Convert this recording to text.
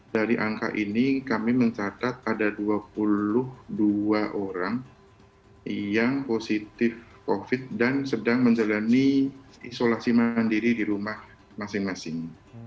dari angka ini kami mencatat ada dua puluh dua orang yang positif covid dan sedang menjalani isolasi mandiri di rumah masing masing